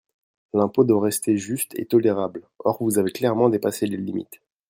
L’impôt doit rester juste et tolérable, or vous avez clairement dépassé les limites.